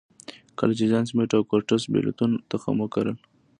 کله چې جان سمېت او کورټس بېلتون تخم وکرل.